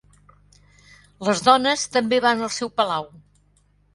Les dones també van al seu palau.